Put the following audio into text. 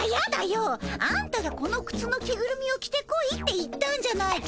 あんたがこのくつの着ぐるみを着てこいって言ったんじゃないか。